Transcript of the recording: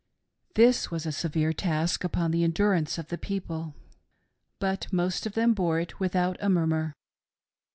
This was a severe task upon the endurance of the people, but most of them bore it without a murmur.